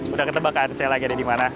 udah ketebakan saya lagi ada di mana